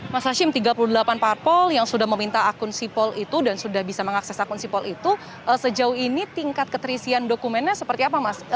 mas hashim tiga puluh delapan parpol yang sudah meminta akun sipol itu dan sudah bisa mengakses akun sipol itu sejauh ini tingkat keterisian dokumennya seperti apa mas